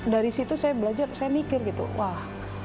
dari situ saya belajar saya mikir gitu wah